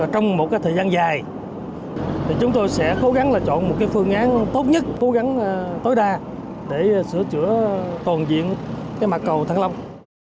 trong một thời gian dài chúng tôi sẽ cố gắng chọn một phương án tốt nhất cố gắng tối đa để sửa chữa toàn diện mặt cầu thăng long